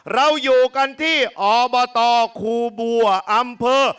เราอยู่กันที่อบตคูบัวอำเภอ